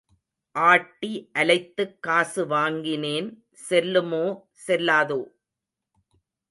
ஆட்டி அலைத்துக் காசு வாங்கினேன் செல்லுமோ செல்லாதோ?